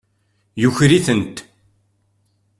Yuker-itent.